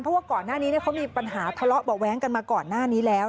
เพราะว่าก่อนหน้านี้เขามีปัญหาทะเลาะเบาะแว้งกันมาก่อนหน้านี้แล้ว